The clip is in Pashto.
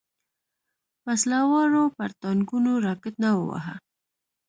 وسله والو پر ټانګونو راکټ نه وواهه.